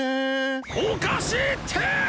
おかしいって！